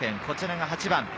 こちらが８番。